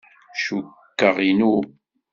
Cukkeɣ inu.